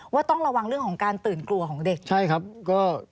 ว่าต้องระวังเรื่องของการตื่นกลัวของเด็ก